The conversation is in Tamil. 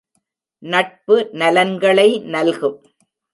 நட்பு நலன்களை நல்கும்.